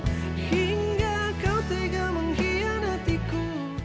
hingga kau tegal mengkhianatiku